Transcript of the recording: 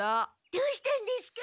どうしたんですか？